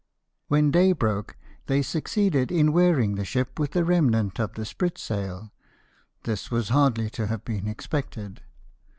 When day broke they succeeded in wearing the ship with a remnant of the sprit sail: this was hardly to have been expected.